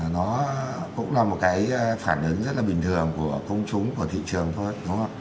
nó cũng là một cái phản ứng rất là bình thường của công chúng của thị trường thôi